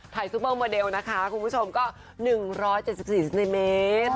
ไทยซุปเปอร์เมอเดลนะคะคุณผู้ชมก็๑๗๔นิเมตร